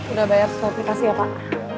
udah bayar spokitasi ya pak